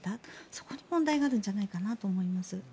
そこの問題があるんじゃないかなと思います。